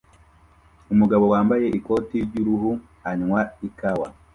Umugabo wambaye ikoti ry'uruhu anywa ikawa